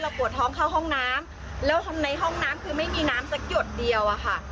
ปวดท้องเข้าห้องน้ำแล้วในห้องน้ำคือไม่มีน้ำสักหยดเดียวอะค่ะ